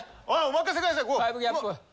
お任せください。